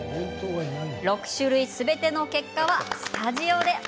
６種類、すべての結果はスタジオで。